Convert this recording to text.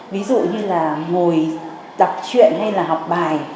ví dụ như là ngồi tập chuyện hay là học bài